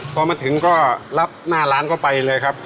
พอมาถึงก็รับหน้าร้านก็ไปเลยครับ